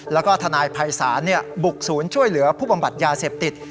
แล้วก็ทนายภัยศาลบุกศูนย์ช่วยเหลือผู้บำบัดยาเสพติด